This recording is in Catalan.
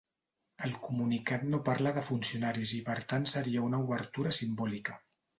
El comunicat no parla de funcionaris i per tant seria una obertura simbòlica.